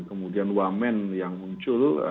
kemudian wamen yang muncul